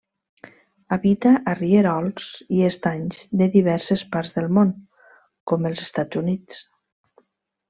Habita a rierols i estanys de diverses parts del món, com els Estats Units.